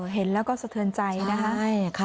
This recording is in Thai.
เห็นแล้วก็สะเทินใจนะคะใช่ค่ะ